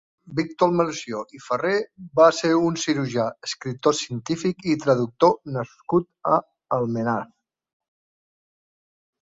Victor Melcior i Farré va ser un cirurgià, escriptor científic i traductor nascut a Almenar.